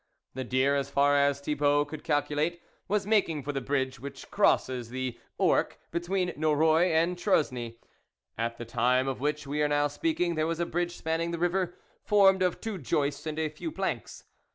The deer, as far as Thibault could calculate, was making for the bridge which crosses the Ourcq, between Noroy and Troesne. At the time of which we are now speaking there was a bridge spanning the river, formed of two joists and a few planks.